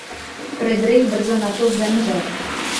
Fridrich brzy nato zemřel.